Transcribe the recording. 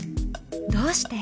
どうして？